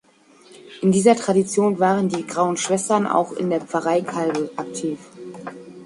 In dieser Tradition waren die „Grauen Schwestern“ auch in der Pfarrei Calbe aktiv.